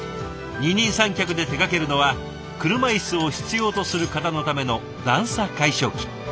二人三脚で手がけるのは車椅子を必要とする方のための段差解消機。